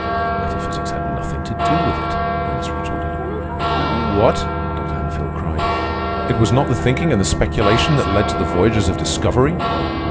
"Metaphysics had nothing to do with it," Ernest retorted. "What?" Dr. Hammerfield cried. "It was not the thinking and the speculation that led to the voyages of discovery?"